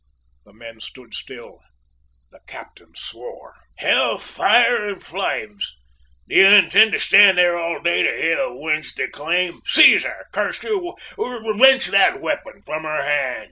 The men stood still the captain swore. "H l fire and flames! Do you intend to stand there all day, to hear the wench declaim? Seize her, curse you! Wrench that weapon from her hand."